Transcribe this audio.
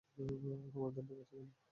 তোমরা দাঁত দেখাচ্ছো কেনো?